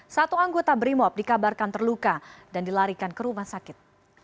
satu anggota brimob dikabarkan terluka dan dilarikan ke rumah sakit